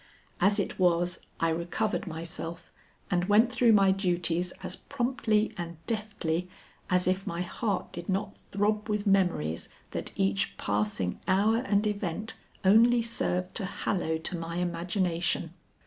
As it was, I recovered myself and went through my duties as promptly and deftly as if my heart did not throb with memories that each passing hour and event only served to hallow to my imagination.